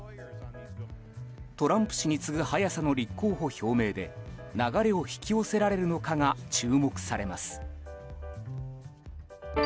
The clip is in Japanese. トランプ氏に次ぐ早さの立候補表明で流れを引き寄せられるのかが注目されます。